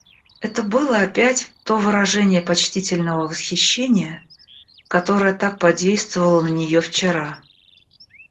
Это было опять то выражение почтительного восхищения, которое так подействовало на нее вчера.